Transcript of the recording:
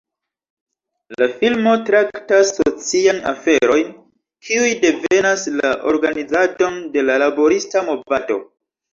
La filmo traktas socian aferojn kiuj devenas la organizadon de la laborista movado.